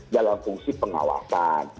dalam fungsi pengawasan